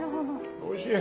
おいしい。